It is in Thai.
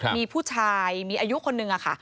มีผู้ชายมีอายุคนนึงค่ะ